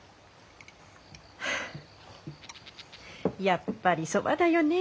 やっぱりそばだよね。